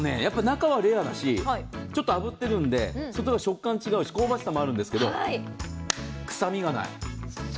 中はレアだし、ちょっとあぶってるんで、そこが食感違うし香ばしさもあるんですけど、臭みがない。